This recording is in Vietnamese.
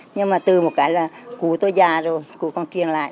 nhưng mà từ một cái là cụ tôi già rồi cụ còn truyền lại